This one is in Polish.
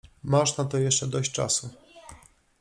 Masz na to jeszcze dość czasu.